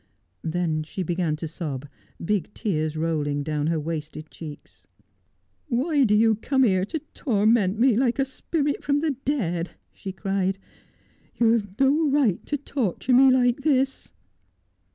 Then she began to sob, big tears rolling down her wasted cheeks. 'Why do you come here to torment me, like a spirit from the dead V she cried. ' You have no right to torture me like this.'